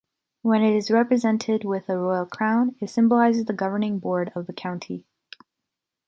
When it is represented with a royal crown, it symbolizes the governing board of the county.